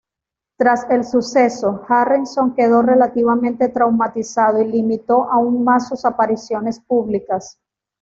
Tras el suceso, Harrison quedó relativamente traumatizado y limitó aún más sus apariciones públicas.